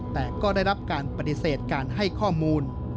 แต่ก็ได้รับการปฏิเสธการให้ข้อมูล